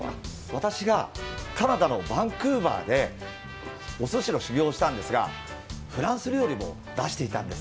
私がカナダのバンクーバーでお寿司の修業をしたんですがフランス料理も出していたんです